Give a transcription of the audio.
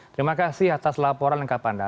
terima kasih atas laporan lengkap anda